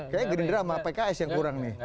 kayaknya gerindra sama pks yang kurang nih